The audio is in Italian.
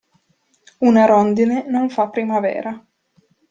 Una rondine non fa primavera.